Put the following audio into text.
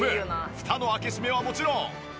フタの開け閉めはもちろん。